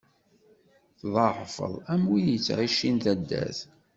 Tḍeɛfeḍ, am win ittɛicin taddart.